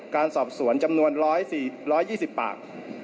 การสอบสวนจำนวน๑๔๒๐ปาก